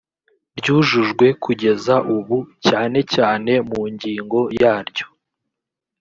ryujujwe kugeza ubu cyane cyane mu ngingo yaryo